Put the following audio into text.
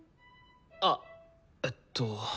あえっと。